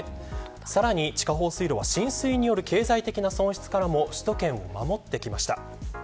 さらに、地下放水路は浸水による経済的な損失からも首都圏を守ってきました。